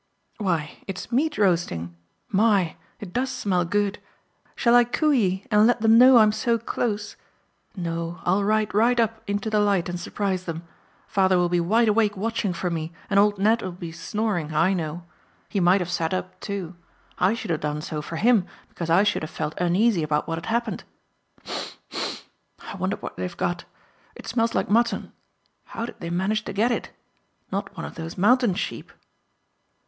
Sniff, sniff. Why, it's meat roasting. My! It does smell good! Shall I coo ee and let them know I'm so close? No, I'll ride right up into the light and surprise them. Father will be wide awake watching for me, and old Ned'll be snoring, I know. He might have sat up too. I should have done so for him, because I should have felt uneasy about what had happened. Sniff! Sniff! I wonder what they've got! It smells like mutton. How did they manage to get it? Not one of those mountain sheep?"